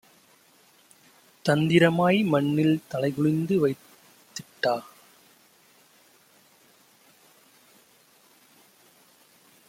தந்திரமாய் மண்ணில் தலைகுனிந்து வைத்திட்ட